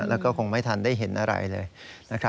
แล้วก็คงไม่ทันได้เห็นอะไรเลยนะครับ